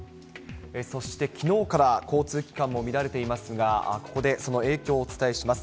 そしてきのうから交通機関も乱れていますが、ここでその影響をお伝えします。